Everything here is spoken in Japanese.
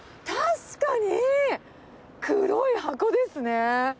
確かに、黒い箱ですね。